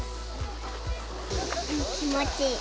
気持ちいい。